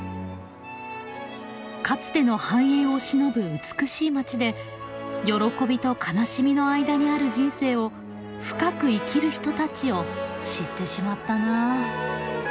かつての繁栄をしのぶ美しい街で喜びと悲しみの間にある人生を深く生きる人たちを知ってしまったな。